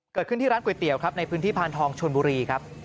เกิดขึ้นที่ร้านก๋วยเตี๋ยวครับในพื้นที่พานทองชนบุรีครับ